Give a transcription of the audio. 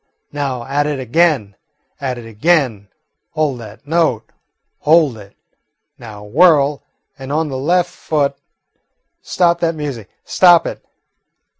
"Now, at it again, at it again! Hold that note, hold it! Now whirl, and on the left foot. Stop that music, stop it!